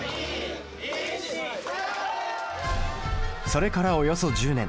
それからおよそ１０年。